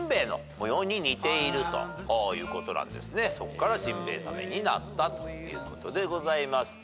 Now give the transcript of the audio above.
そこからジンベエザメになったということでございます。